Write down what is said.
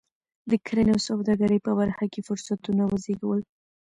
د کرنې او سوداګرۍ په برخه کې فرصتونه وزېږول.